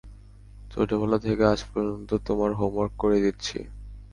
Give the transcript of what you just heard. ছোটবেলা থেকে আজ পর্যন্ত, তোমার হোমওয়ার্ক করে দিচ্ছি।